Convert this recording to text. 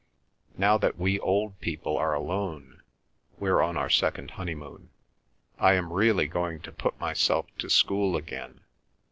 "Now that we old people are alone,—we're on our second honeymoon,—I am really going to put myself to school again.